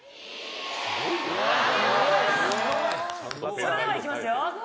それではいきますよ。